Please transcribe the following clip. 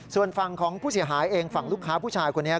ส่วนฝั่งของผู้เสียหายเองฝั่งลูกค้าผู้ชายคนนี้